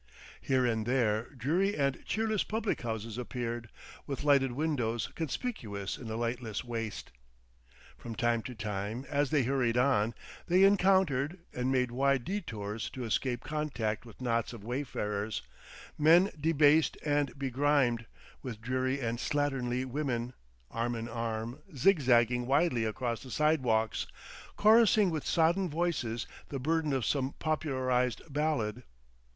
Here and there dreary and cheerless public houses appeared, with lighted windows conspicuous in a lightless waste. From time to time, as they hurried on, they encountered, and made wide detours to escape contact with knots of wayfarers men debased and begrimed, with dreary and slatternly women, arm in arm, zigzaging widely across the sidewalks, chorusing with sodden voices the burden of some popularized ballad.